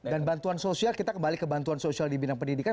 dan bantuan sosial kita kembali ke bantuan sosial di bidang pendidikan